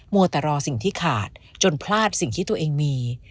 วัวแต่รอสิ่งที่ขาดจนพลาดสิ่งที่ตัวเองมี